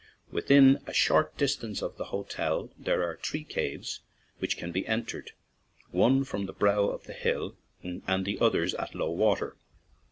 Within a short distance of the hotel are three caves which can be entered, one from the brow of the hill and the others at low water.